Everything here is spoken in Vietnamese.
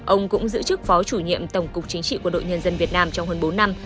ông cũng giữ chức phó chủ nhiệm tổng cục chính trị quân đội nhân dân việt nam trong hơn bốn năm